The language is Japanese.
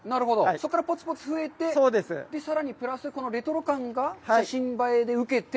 そこからポツポツ増えて、さらにプラス、このレトロ感が写真映え受けて。